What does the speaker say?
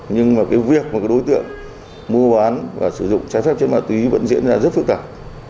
nhưng mà cái việc mà cái đối tượng mua bán và sử dụng trái phép chất ma túy vẫn diễn ra rất phức tạp